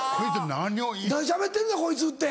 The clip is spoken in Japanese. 何しゃべってるんだこいつって。